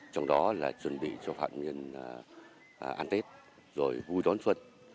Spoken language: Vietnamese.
trong đó là chuẩn bị cho phạm nhân ăn tết rồi vui đón xuân